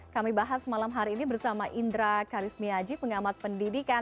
kami bahas malam hari ini bersama indra karismiaji pengamat pendidikan